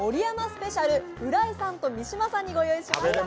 スペシャル浦井さんと三島さんに御用意しました。